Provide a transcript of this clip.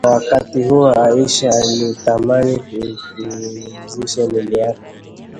Kwa wakati huo, Aisha alitamani kuupumzisha mwili wake